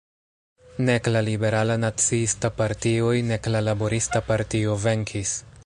Nek la Liberala-Naciista partioj, nek la Laborista partio venkis.